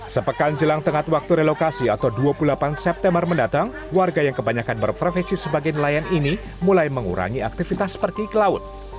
sepekan jelang tengah waktu relokasi atau dua puluh delapan september mendatang warga yang kebanyakan berprofesi sebagai nelayan ini mulai mengurangi aktivitas pergi ke laut